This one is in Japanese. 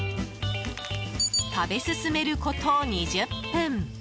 食べ進めること２０分。